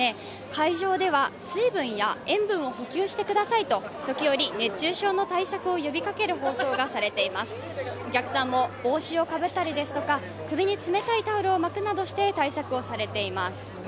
会場では水分や塩分を補給してくださいと熱中症の対策を呼びかける放送がされています、お客さんも帽子をかぶったりですとか首に冷たいタオルを巻くなどして対策をされています。